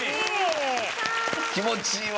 気持ちいいわ。